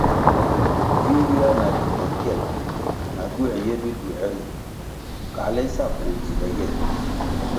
Vi ywia na limbo kyel, na gywē ye biduē ri, kale sa koh tsile ye.